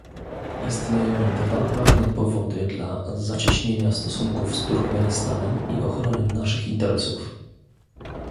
Istnieją dwa ważne powody dla zacieśnienia stosunków z Turkmenistanem i ochrony naszych interesów